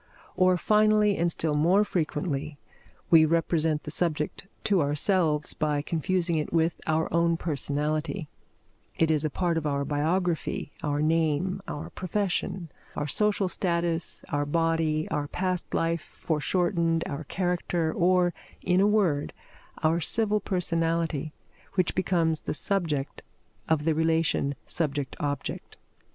Or, finally and still more frequently, we represent the subject to ourselves by confusing it with our own personality; it is a part of our biography, our name, our profession, our social status, our body, our past life foreshortened, our character, or, in a word, our civil personality, which becomes the subject of the relation subject object.